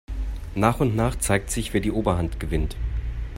Nach und nach zeigt sich, wer die Oberhand gewinnt.